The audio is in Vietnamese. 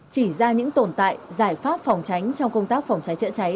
chỉ ra những tồn tại giải pháp phòng tránh trong công tác phòng cháy chữa cháy